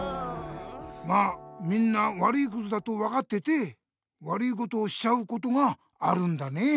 まあみんな悪いことだとわかってて悪いことをしちゃうことがあるんだね。